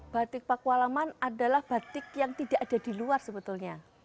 batik pakualaman adalah batik yang tidak ada di luar sebetulnya